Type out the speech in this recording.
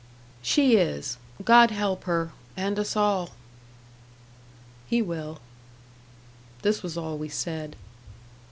"She is. God help her and us all!" "He will." This was all we said.